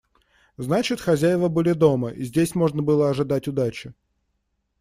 Значит, хозяева были дома и здесь можно было ожидать удачи.